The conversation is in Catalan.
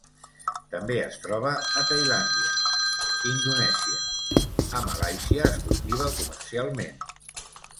També es troba a Tailàndia, Indonèsia, a Malàisia es cultiva comercialment.